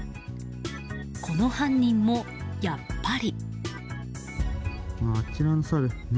この犯人も、やっぱり。